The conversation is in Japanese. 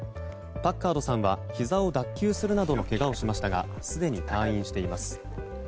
パッカードさんはひざを脱臼するなどのけがをしましたがすでに退院しています。